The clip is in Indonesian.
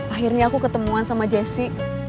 akhirnya aku ketemuan sama jessi